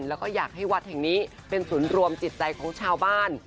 แล้วก็อยากให้วัดแห่งนี้เป็นศูนย์รวมจิตใจของชาวบ้าน